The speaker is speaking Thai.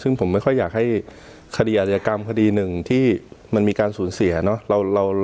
ซึ่งผมไม่ค่อยอยากให้คดีอาจยกรรมคดีหนึ่งที่มันมีการสูญเสียเนาะ